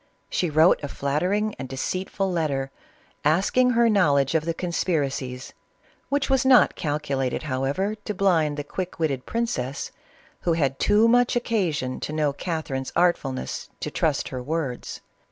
She wrote a flattering and deceitful letter, asking her knowledge of the conspiracies, which was not calcu lated however to blind the quick witted princess, who had too much occasion to know Catherine's artfulness, to trust her words.